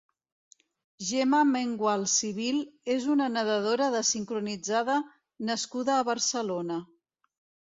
Gemma Mengual Civil és una nedadora de sincronitzada nascuda a Barcelona.